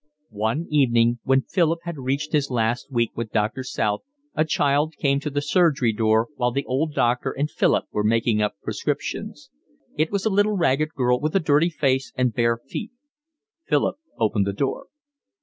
One evening, when Philip had reached his last week with Doctor South, a child came to the surgery door while the old doctor and Philip were making up prescriptions. It was a little ragged girl with a dirty face and bare feet. Philip opened the door.